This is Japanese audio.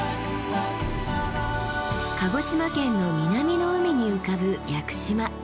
鹿児島県の南の海に浮かぶ屋久島。